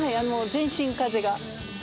全身風が。